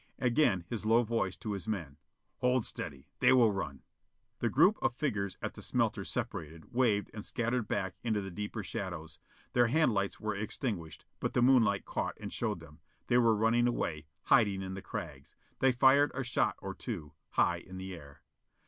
Again his low voice to his men: "Hold steady. They will run." The group of figures at the smelter separated, waved and scattered back into the deeper shadows. Their hand lights were extinguished, but the moonlight caught and showed them. They were running away; hiding in the crags. They fired a shot or two, high in the air.